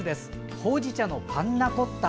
ほうじ茶のパンナコッタ。